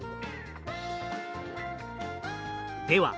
では